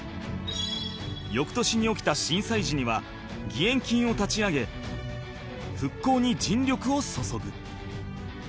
翌年に起きた震災時には義援金を立ち上げ復興に尽力を注ぐ